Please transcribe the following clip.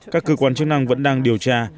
các cơ quan chức năng vẫn đang điều tra